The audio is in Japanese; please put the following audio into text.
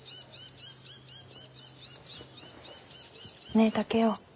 ねえ竹雄。